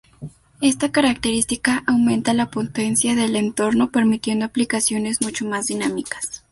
Esta característica aumenta la potencia del entorno, permitiendo aplicaciones mucho más dinámicas.